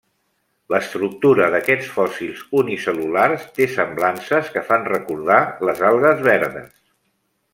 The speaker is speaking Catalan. L'estructura d'aquests fòssils unicel·lulars té semblances que fan recordar les algues verdes.